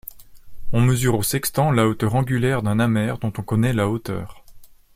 On mesure au sextant la hauteur angulaire d’un amer dont on connaît la hauteur.